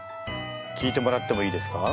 聞いてもらってもいいですか？